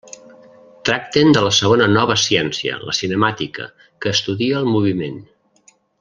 Tracten de la segona nova ciència, la cinemàtica, que estudia el moviment.